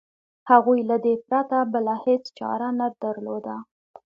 هغوی له دې پرته بله هېڅ چاره نه درلوده.